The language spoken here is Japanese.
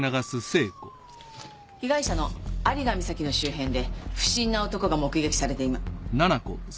被害者の有賀美咲の周辺で不審な男が目撃されていま。